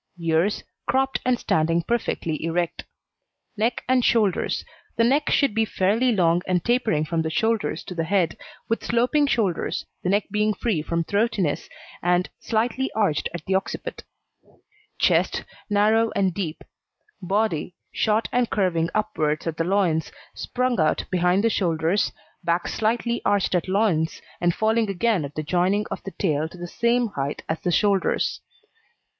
EARS Cropped and standing perfectly erect. NECK AND SHOULDERS The neck should be fairly long and tapering from the shoulders to the head, with sloping shoulders, the neck being free from throatiness, and slightly arched at the occiput. CHEST Narrow and deep. BODY Short and curving upwards at the loins, sprung out behind the shoulders, back slightly arched at loins, and falling again at the joining of the tail to the same height as the shoulders.